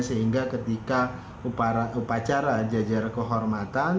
sehingga ketika upacara jajar kehormatan